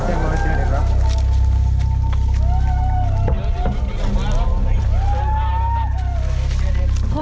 สวัสดีครับ